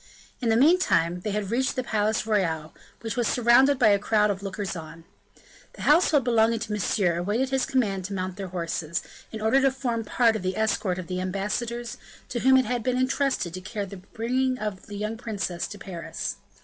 In the meantime they had reached the Palais Royal, which was surrounded by a crowd of lookers on. The household belonging to Monsieur awaited his command to mount their horses, in order to form part of the escort of the ambassadors, to whom had been intrusted the care of bringing the young princess to Paris.